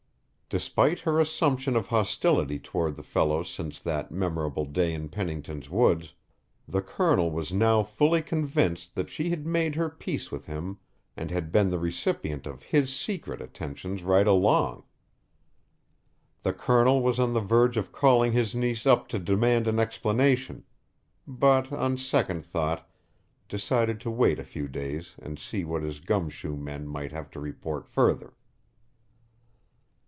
Despite her assumption of hostility toward the fellow since that memorable day in Pennington's woods, the Colonel was now fully convinced that she had made her peace with him and had been the recipient of his secret attentions right along. The Colonel was on the verge of calling his niece up to demand an explanation, but on second thought decided to wait a few days and see what his gum shoe men might have to report further.